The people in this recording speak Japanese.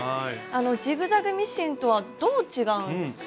ジグザグミシンとはどう違うんですか？